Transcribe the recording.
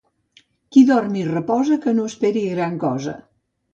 Qui dorm i reposa que no esperi gran cosa.